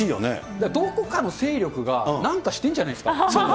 だからどこかの勢力が、なんかしてんじゃないですか。